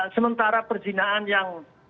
sementara perjinaan yang